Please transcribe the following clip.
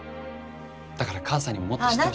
だから母さんにももっと知って。